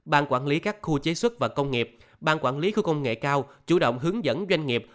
ban quản lý các khu chế xuất và công nghiệp ban quản lý khu công nghệ cao chủ động hướng dẫn doanh nghiệp